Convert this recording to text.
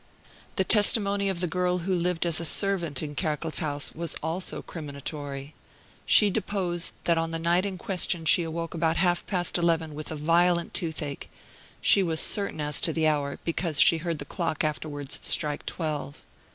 The testimony of the girl who lived as servant in Kerkel's house was also criminatory. She deposed that on the night in question she awoke about half past eleven with a violent toothache; she was certain as to the hour, because she heard the clock afterwards strike twelve.